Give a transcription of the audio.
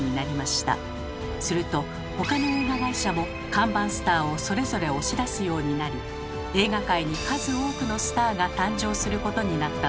すると他の映画会社も看板スターをそれぞれ押し出すようになり映画界に数多くのスターが誕生することになったのです。